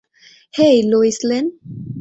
Hey, Lois lane.